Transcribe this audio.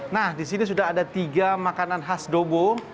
nah disini sudah ada tiga makanan khas dobo